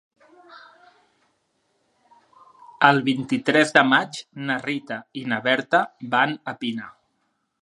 El vint-i-tres de maig na Rita i na Berta van a Pina.